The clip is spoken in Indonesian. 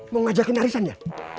mau ngajakin arisan ya